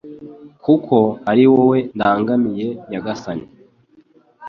kuko ari wowe ndangamiye Nyagasani